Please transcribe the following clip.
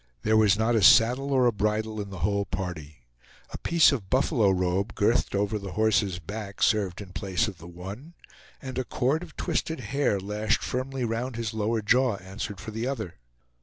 There was not a saddle or a bridle in the whole party. A piece of buffalo robe girthed over the horse's back served in the place of the one, and a cord of twisted hair lashed firmly round his lower jaw answered for the other.